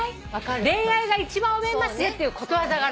恋愛が一番覚えますよっていうことわざがある。